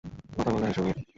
কথা বললে হেসে উড়িয়ে দেয়।